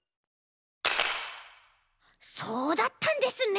そうだったんですね。